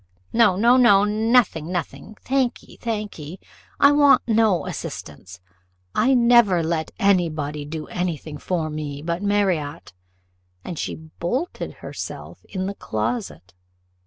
"No, no, no nothing, nothing thank ye, thank ye, I want no assistance I never let any body do any thing for me but Marriott;" and she bolted herself in the closet.